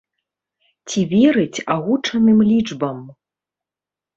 Ці верыць агучаным лічбам?